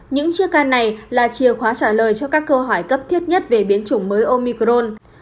những chiếc can này là chìa khóa trả lời cho các câu hỏi cấp thiết nhất về biến chủng mới omicron